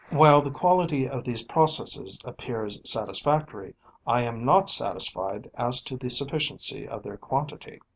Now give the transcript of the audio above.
247 While the quality of these processes appears satisfactory, I am not satisfied as to the sufficiency of their quantity.